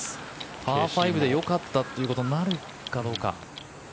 パー５でよかったということになるかどうか。